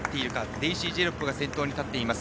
デイシー・ジェロップが先頭に立っています。